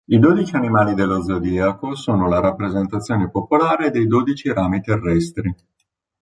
I dodici animali dello zodiaco sono la rappresentazione popolare dei dodici rami terrestri.